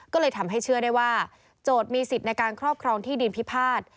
ก็เลยทำให้เชื่อได้ว่าโจทย์มีสิทธิ์ในการครอบครองที่ดินพิพาท